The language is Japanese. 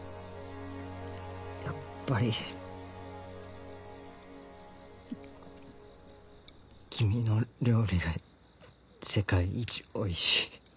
やっぱり君の料理が世界一おいしい。